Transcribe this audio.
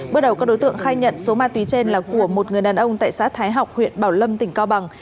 bước đầu các đối tượng khai nhận số ma túy trên là của một người đàn ông tại xã thái học huyện bảo lâm tỉnh cao bằng